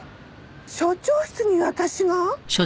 署長室に私が？